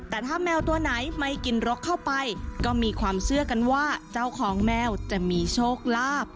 แต่ถ้าแมวตัวไหนไม่กินรกเข้าไปก็มีความเชื่อกันว่าเจ้าของแมวจะมีโชคลาภ